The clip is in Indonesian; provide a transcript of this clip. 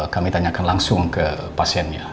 kami tanyakan langsung ke pasiennya